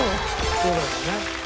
そうだよね。